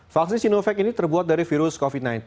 vaksin sinovac ini terbuat dari virus covid sembilan belas